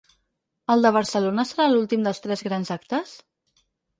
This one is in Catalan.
El de Barcelona serà l’últim dels tres grans actes?